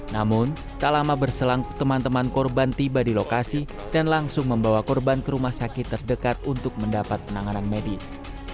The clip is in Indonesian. namun tak lama berselang teman teman korban tiba di lokasi dan langsung membawa korban ke rumah sakit terdekat untuk mendapat penanganan medis